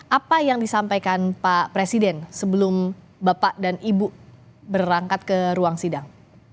apa yang disampaikan pak presiden sebelum bapak dan ibu berangkat ke ruang sidang